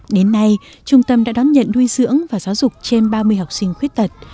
đến nay trung tâm đã đón nhận nuôi dưỡng và giáo dục trên ba mươi học sinh khuyết tật